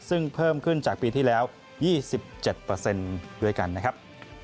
ซึ่งเพิ่มขึ้นจากปีที่แล้ว๒๗ด้วยกันนะครับ